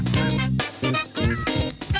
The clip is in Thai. สวัสดีค่ะ